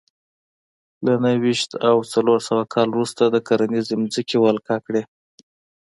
له نهه ویشت او څلور سوه کال وروسته د کرنیزې ځمکې ولکه کړې